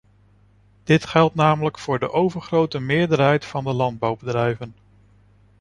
Dit geldt namelijk voor de overgrote meerderheid van de landbouwbedrijven.